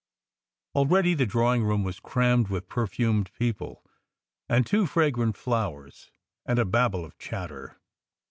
Already the drawing room was crammed with perfumed people and too fragrant flowers, and a babel of chatter.